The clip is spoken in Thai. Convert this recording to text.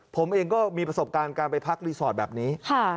ผมเองก็มีประสบการณ์การไปพักรีสอร์ทแบบนี้